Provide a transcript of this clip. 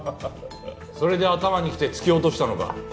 それで頭にきて突き落としたのか。